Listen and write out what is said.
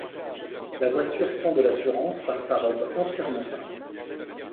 La voiture prend de l'assurance par sa robe entièrement peinte.